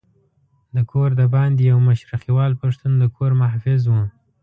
د کور دباندې یو مشرقیوال پښتون د کور محافظ وو.